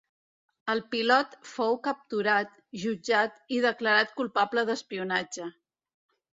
El pilot fou capturat, jutjat i declarat culpable d'espionatge.